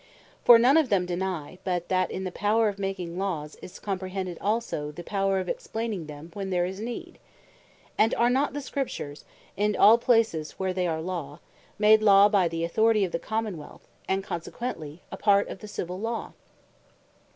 For none of them deny, but that in the Power of making Laws, is comprehended also the Power of Explaining them when there is need. And are not the Scriptures, in all places where they are Law, made Law by the Authority of the Common wealth, and consequently, a part of the Civill Law?